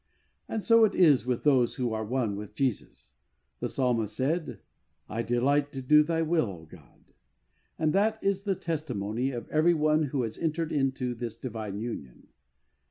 And so it is with those who are one with Jesus. The Psalmist said, '' I delight to do Thy will, O God," and that is the testimony of every one who has entered into this divine union.